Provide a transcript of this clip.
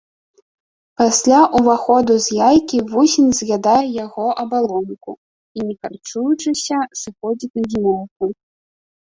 Пасля ўваходу з яйкі вусень з'ядае яго абалонку, і не харчуючыся, сыходзіць на зімоўку.